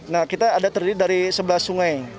nah kita ada terdiri dari sebelas sungai